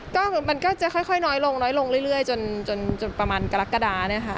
ก็มันก็จะค่อยน้อยลงน้อยลงเรื่อยจนประมาณก็รักษ์ศาสตร์นะคะ